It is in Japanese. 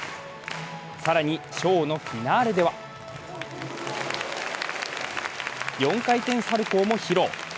更にショーのフィナーレでは４回転サルコウも披露。